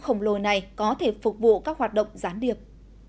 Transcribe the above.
khổng lồ này có thể phục vụ các hoạt động gián điệp